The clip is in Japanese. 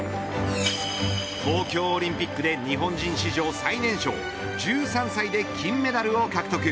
東京オリンピックで日本人史上最年少１３歳で金メダルを獲得。